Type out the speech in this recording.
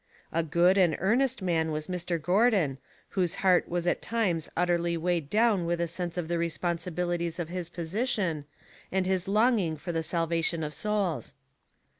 A good and earnest man was Mr. Gordon, whose Mistakes — Great and Small, 129 heart was at times utterly weighed down with a sense of the responsibilities of his position and his longing for the salvation of souls.